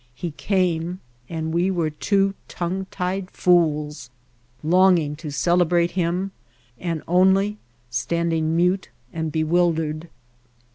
He came, and we were two tongue tied fools longing to cele brate him and only standing mute and bewil dered.